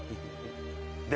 で